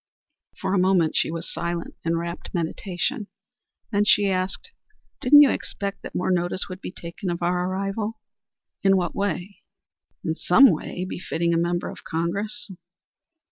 For a moment she was silent in wrapt meditation, then she asked: "Didn't you expect that more notice would be taken of our arrival?" "In what way?" "In some way befitting a member of Congress."